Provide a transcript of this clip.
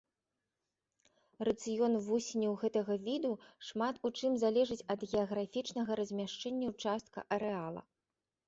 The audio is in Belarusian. Рацыён вусеняў гэтага віду шмат у чым залежыць ад геаграфічнага размяшчэння ўчастка арэала.